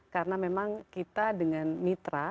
karena memang kita dengan mitra